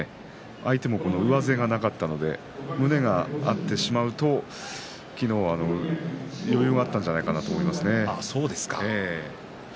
相手も上背がなかったので胸が合ってしまうと昨日は余裕があったんじゃないかなと思います。